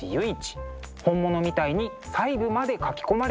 本物みたいに細部まで描き込まれています。